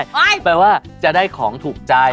แปลว่าจะได้ของถูกใจ